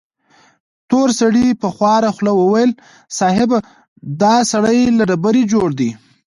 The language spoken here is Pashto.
تور سړي په خواره خوله وويل: صيب! دا سړی له ډبرې جوړ دی.